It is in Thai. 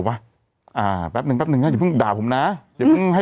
ว่าอ่าแปปหนึ่งแปปหนึ่งอ่าอย่าเพิ่งด่าผมนะคะ